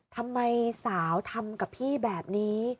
ทำไมสาวทำกับพี่แบบนี้